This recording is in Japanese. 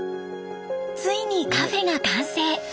ついにカフェが完成！